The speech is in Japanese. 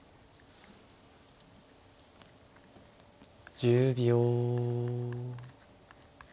１０秒。